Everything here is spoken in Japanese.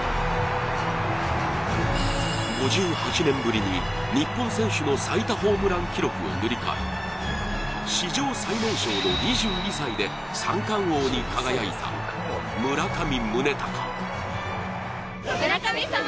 ５８年ぶりに日本選手の最多ホームラン記録を塗り替え史上最年少の２２歳で三冠王に輝いた、村上宗隆。